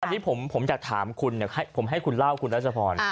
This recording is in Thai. ตอนนี้ผมจากถามคุณเนี่ยผมให้คุณเล่าคุณรุชพอร์น